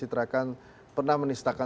terus kecalee saya